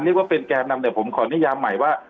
เรียกว่าเป็นแก่นำแต่ผมขอนิยามใหม่ว่า